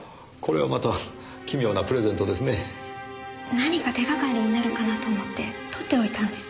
何か手がかりになるかなと思って取っておいたんです。